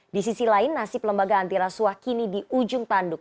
di sisi lain nasib lembaga antirasuah kini di ujung tanduk